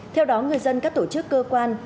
theo đó người dân các tổ chức cơ quan